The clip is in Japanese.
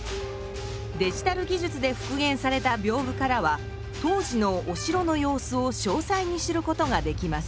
デジタル技術で復元された屏風からは当時のお城の様子をしょうさいに知ることができます。